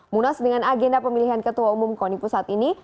munas dengan agenda pemilihan ketua umum koni pusat ini